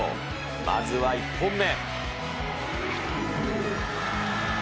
まずは１本目。